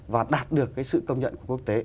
và đạt được cái sự công nhận của quốc tế